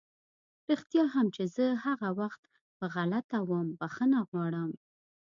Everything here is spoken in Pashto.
رښتيا هم چې زه هغه وخت پر غلطه وم، بښنه غواړم!